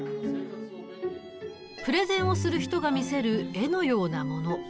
プレゼンをする人が見せる絵のようなもの。